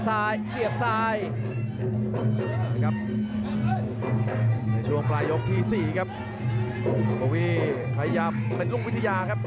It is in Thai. พาท่านผู้ชมกลับติดตามความมันกันต่อครับ